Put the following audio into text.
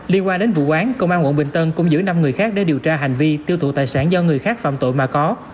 liên quan đến vụ án công an quận bình tân cũng giữ năm người khác để điều tra hành vi tiêu thụ tài sản do người khác phạm tội mà có